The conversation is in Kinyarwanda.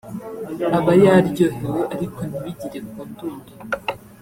aba yaryohewe ariko ntibigere ku ndunduro